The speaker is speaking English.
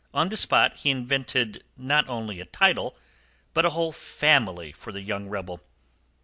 On the spot he invented not only a title but a whole family for the young rebel.